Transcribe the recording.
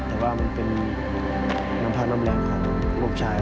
แต่ว่ามันเป็นน้ำพักน้ำแรงของลูกชาย